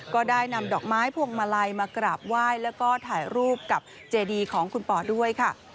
ก็ได้นำดอกไม้พวงมาลัยมากราบไหว้แล้วก็ถ่ายรูปกับเจดีของคุณปอด้วยค่ะ